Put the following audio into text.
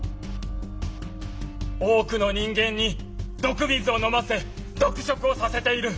多くの人間に毒水を飲ませ毒食をさせている。